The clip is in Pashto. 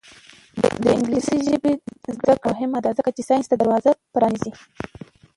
د انګلیسي ژبې زده کړه مهمه ده ځکه چې ساینس ته دروازه پرانیزي.